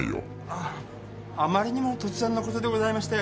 ああまりにも突然な事でございまして。